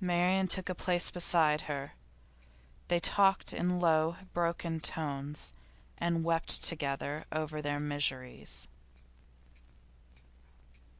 Marian took a place beside her. They talked in low, broken tones, and wept together over their miseries.